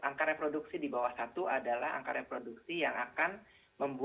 angka reproduksi di bawah satu adalah angka reproduksi yang akan membuat penyebaran kasus positif